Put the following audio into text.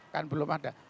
kan belum ada